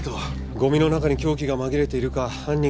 ゴミの中に凶器が紛れているか犯人が持ち去ったか。